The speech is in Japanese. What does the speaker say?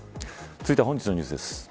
続いては本日のニュースです。